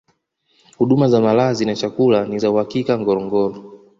huduma za malazi na chakula ni za uhakika ngorongoro